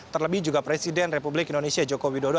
terlebih juga presiden republik indonesia joko widodo